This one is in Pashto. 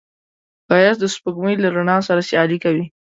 ښایست د سپوږمۍ له رڼا سره سیالي کوي